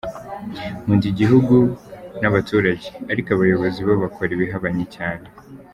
Nkunda igihugu, n’abaturage ariko abayobozi bo bakora ibihabanye cyane.